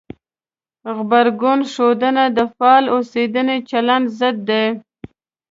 غبرګون ښودنه د فعال اوسېدنې چلند ضد دی.